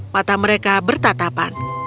mata mereka bertatapan